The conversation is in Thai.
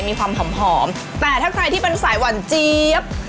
มีความหอมแต่ถ้าใครที่เป็นสายหวานเจี๊ยบ